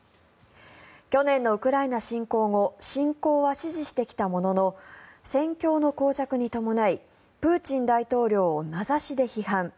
去年のウクライナ侵攻後侵攻は支持してきたものの戦況のこう着に伴いプーチン大統領を名指しで批判。